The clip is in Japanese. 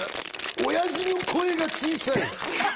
おやじの声が小さい。